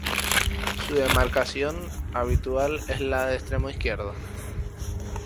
Su demarcación habitual es la de extremo izquierdo.